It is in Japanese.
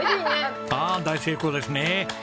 ああ大成功ですね。